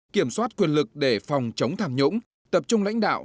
kiểm soát quyền lực để phòng chống tham nhũng tập trung lãnh đạo